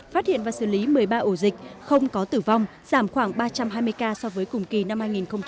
phát hiện và xử lý một mươi ba ổ dịch không có tử vong giảm khoảng ba trăm hai mươi ca so với cùng kỳ năm hai nghìn một mươi chín